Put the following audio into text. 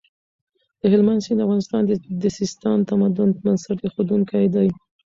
د هلمند سیند د افغانستان د سیستان د تمدن بنسټ اېښودونکی دی.